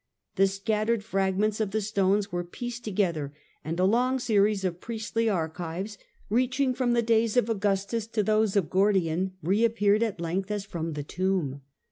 The scattered fragments of the stones w^ere pieced together, and a long series of priestly archives, reaching from the days of Augustus to those of Gordian, reappeared at length as from the tomb.